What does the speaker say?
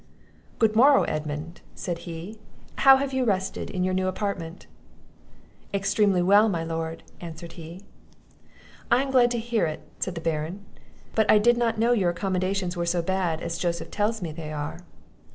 "Good morrow, Edmund!" said he; "how have you rested in your new apartment?" "Extremely well, my lord," answered he. "I am glad to hear it," said the Baron; "but I did not know your accommodations were so bad, as Joseph tells me they are."